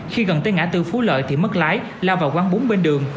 khi gần tới ngã tư phú lợi thì mất lái lao vào quán bún bên đường